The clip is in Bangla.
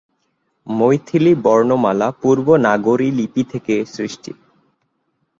মৈথিলী বর্ণমালা পূর্ব নাগরী লিপি থেকে সৃষ্ট।